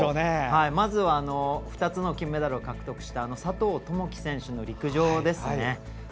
まずは、２つの金メダルを獲得した佐藤友祈選手の陸上ですね。